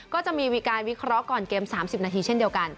ก็จะมีการวิเคราะห์ก่อนเกม๓๐นาทีเช่นเดียวกัน